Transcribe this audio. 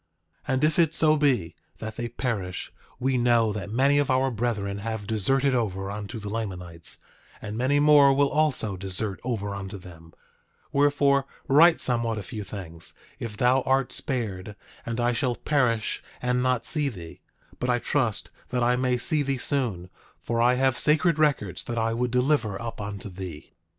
9:24 And if it so be that they perish, we know that many of our brethren have deserted over unto the Lamanites, and many more will also desert over unto them; wherefore, write somewhat a few things, if thou art spared and I shall perish and not see thee; but I trust that I may see thee soon; for I have sacred records that I would deliver up unto thee.